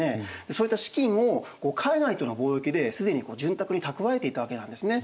そういった資金を海外との貿易で既に潤沢に蓄えていたわけなんですね。